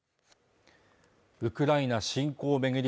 ウクライナ侵攻を巡り